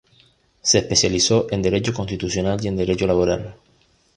Se especializó en Derecho Constitucional y en Derecho Laboral.